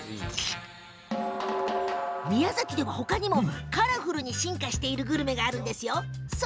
宮崎では他にも、カラフルに進化しているグルメがあるんです。